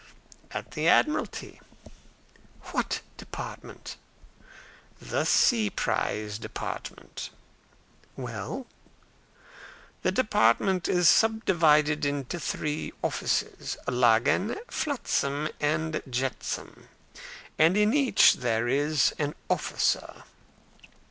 "At the Admiralty." "What department?" "The Sea Prize Department." "Well?" "The department is subdivided into three offices Lagan, Flotsam, and Jetsam and in each there is an officer."